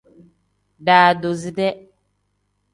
Daadoside.